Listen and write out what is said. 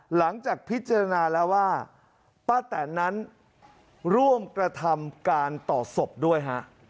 หลังจากพิจารณาแล้วว่าป้าแตนนั้นร่วมกระทำการต่อศพด้วยฮะ